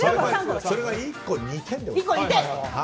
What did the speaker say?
それが１個２点です。